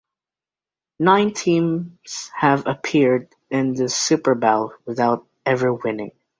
Nine teams have appeared in the Super Bowl without ever winning.